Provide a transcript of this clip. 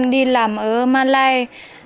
đi làm ở malay